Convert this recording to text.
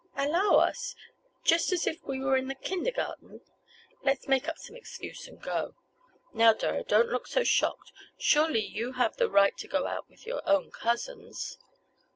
"Allow us! Just as if we were in the kindergarten! Let's make up some excuse and go! Now, Doro, don't look so shocked! Surely you have the right to go out with your own cousins?"